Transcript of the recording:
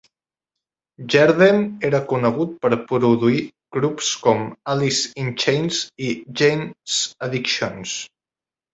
Jerden era conegut per produir grups com Alice in Chains i Jane's Addiction.